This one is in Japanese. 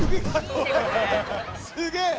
すげえ！